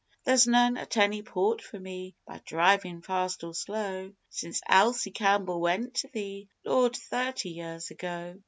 There's none at any port for me, by drivin' fast or slow, Since Elsie Campbell went to Thee, Lord, thirty years ago.